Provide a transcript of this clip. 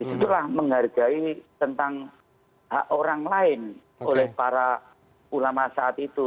itulah menghargai tentang hak orang lain oleh para ulama saat itu